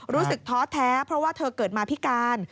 ท้อแท้เพราะว่าเธอเกิดมาพิการ